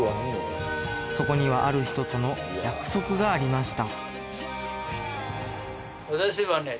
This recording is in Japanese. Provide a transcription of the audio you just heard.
そこにはある人との約束がありました